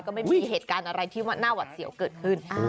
ก็ไม่มีเหตุการณ์อะไรที่น่าหวัดเสียวเกิดขึ้น